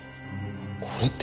これって。